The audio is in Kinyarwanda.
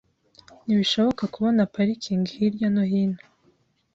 Ntibishoboka kubona parikingi hirya no hino .